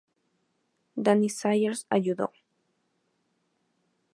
Danny Sayers ayudó.